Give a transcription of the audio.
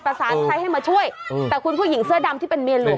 สารใครให้มาช่วยแต่คุณผู้หญิงเสื้อดำที่เป็นเมียหลวง